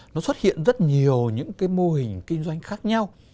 nó xuất hiện rất nhiều những cái mô hình kinh doanh khác nhau